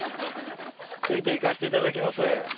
ついていかしていただきます。